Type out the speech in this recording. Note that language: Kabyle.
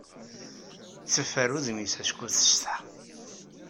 Teffer udem-is acku tessetḥa.